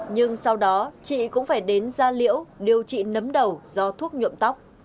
nhưng sau đó chị cũng phải đến da liễu điều trị nấm đầu do thuốc nhuộm tóc